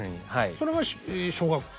それが小学校？